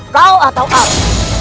kau atau aku